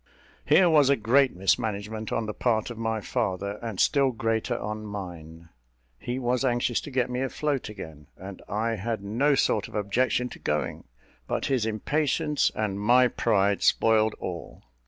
Here was a great mismanagement on the part of my father, and still greater on mine. He was anxious to get me afloat again, and I had no sort of objection to going; but his impatience and my pride spoiled all.